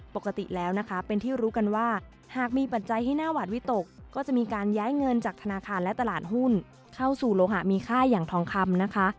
ปกติแล้วนะคะเป็นที่รู้กันว่าหากมีปัจจัยที่น่าหวาดวิตกก็จะมีการย้ายเงินจากธนาคารและตลาดหุ้นเข้าสู่โลหะมีค่าอย่างทองคำนะคะ